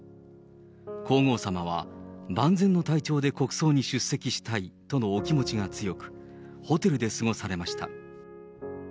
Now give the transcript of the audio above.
皇后さまは万全の体調で国葬に出席したいとのお気持ちが強く、ホテルで過ごされました。